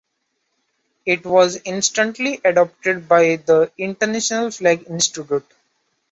It was instantly adopted by the international Flag Institute.